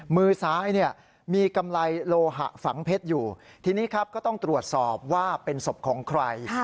มือซ้ายเนี่ยมีกำไรโลหะฝังเพชรอยู่ทีนี้ครับก็ต้องตรวจสอบว่าเป็นศพของใคร